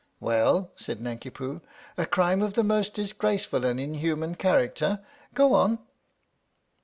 " Well ?" said Nanki Poo, "' a crime of the most disgraceful and inhuman character.' Go on."